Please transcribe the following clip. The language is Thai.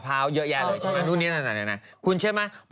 ทันทีทันทีกระบวนล้นก็เปิดถนนใช้ได้เลย